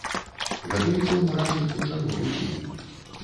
Гадуецца ў мурашніку чарговы дзень.